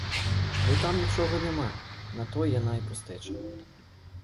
Бо там нічога няма, на тое яна і пустэча.